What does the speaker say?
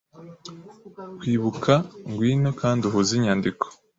Kwibuka ngwino Kandi uhuze inyandiko